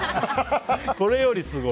これよりすごい？